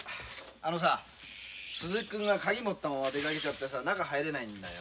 あのさ鈴木くんが鍵持ったまま出かけちゃってさ中入れないんだよ。